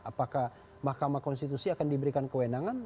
apakah mahkamah konstitusi akan diberikan kewenangan